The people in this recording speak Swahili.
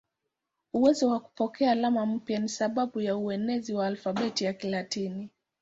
Uwezo wa kupokea alama mpya ni sababu ya uenezi wa alfabeti ya Kilatini.